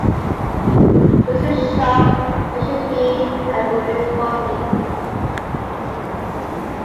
Mr. Sharpe measured me at Ruby’s party.